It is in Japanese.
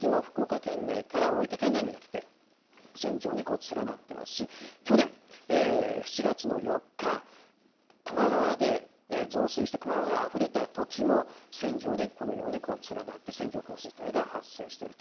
そのときも福岡県内から大分県内にかけて、線状に連なってますし、去年７月の４日、球磨川で増水して、球磨川があふれたときも、線状にこのように連なって、線状降水帯が発生していると。